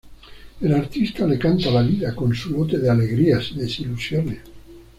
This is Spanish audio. El artista le canta a la vida, con su lote de alegrías y desilusiones.